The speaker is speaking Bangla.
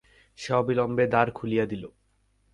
সে অবিলম্বে দ্বার খুলিয়া দিল।